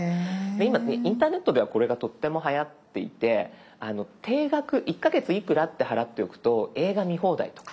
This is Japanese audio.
今インターネットではこれがとってもはやっていて定額１か月いくらって払っておくと映画見放題とか。